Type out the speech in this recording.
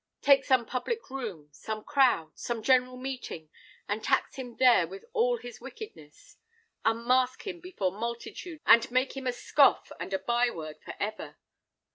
Take some public room, some crowd, some general meeting, and tax him there with all his wickedness. Unmask him before multitudes, and make him a scoff and a byword for ever.